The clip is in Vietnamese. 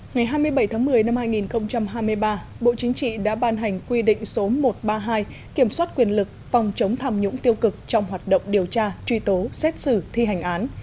ngày hai mươi bảy tháng một mươi năm hai nghìn hai mươi ba bộ chính trị đã ban hành quy định số một trăm ba mươi hai kiểm soát quyền lực phòng chống tham nhũng tiêu cực trong hoạt động điều tra truy tố xét xử thi hành án